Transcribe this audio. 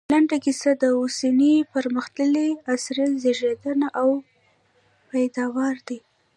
لنډه کيسه د اوسني پرمختللي عصر زېږنده او پيداوار دی